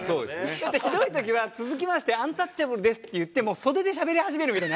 だってひどい時は「続きましてアンタッチャブルです」って言ってもう袖でしゃべり始めるみたいな。